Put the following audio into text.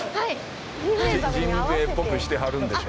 ジンベエっぽくしてはるんでしょ？